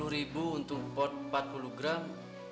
satu ratus lima puluh ribu untuk pot empat puluh gram